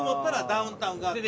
ダウンタウン。